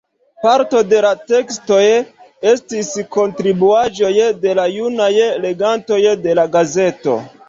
Parto de la tekstoj estis kontribuaĵoj de la junaj legantoj de la gazeto.